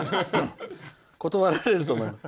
断られると思います。